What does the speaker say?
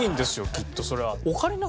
きっとそれは。